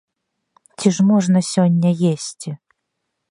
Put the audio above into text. Ці ж можна сёння есці?